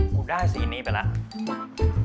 กูได้สีนี้ไปแล้ว